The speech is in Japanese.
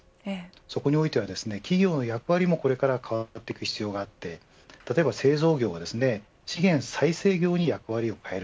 そこにおいては企業の役割もこれから変わっていく必要があって例えば製造業が資源再生業に役割を変える。